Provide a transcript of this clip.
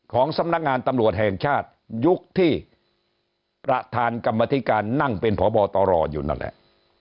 สำนักงานตำรวจแห่งชาติยุคที่ประธานกรรมธิการนั่งเป็นพบตรอยู่นั่นแหละ